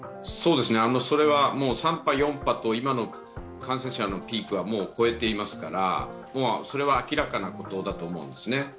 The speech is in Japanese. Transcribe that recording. それは３波、４波と、今の感染者のピークは超えていますからもうそれは明らかなことだと思うんですね。